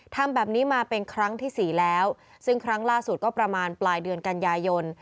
ทำแบบนี้มาเป็นครั้งที่สี่แล้วซึ่งครั้งล่าสุดก็ประมาณปลายเดือนกันยายน